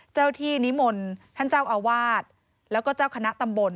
เจ้าที่นิมนต์ท่านเจ้าอาวาสแล้วก็เจ้าคณะตำบล